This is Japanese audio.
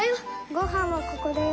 ごはんはここだよ。